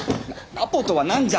アポとは何じゃ！